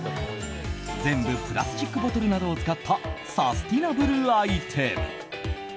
全部プラスチックボトルなどを使ったサステイナブルアイテム。